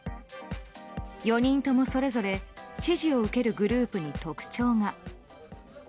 ４人ともそれぞれ支持を受けるグループに特徴が。